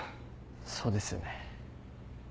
そうですよね。